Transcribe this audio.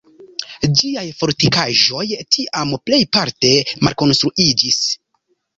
Ĝiaj fortikaĵoj tiam plejparte malkonstruiĝis.